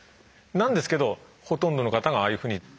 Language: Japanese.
なんですけどほとんどの方がああいうふうに。